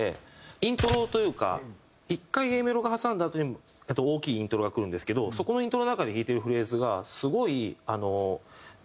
イントロというか１回Ａメロが挟んだあとに大きいイントロがくるんですけどそこのイントロの中で弾いてるフレーズがすごい。